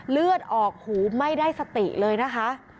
เลือดออกหูไม่ได้สติเลยนะคะ